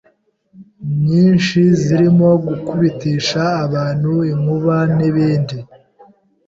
nyinshi zirimo gukubitisha abantu inkuba n’ibindi